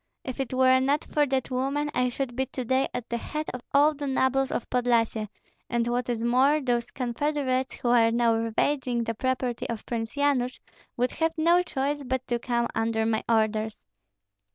If it were not for that woman, I should be to day at the head of all the nobles of Podlyasye; and what is more, those confederates who are now ravaging the property of Prince Yanush would have no choice but to come under my orders.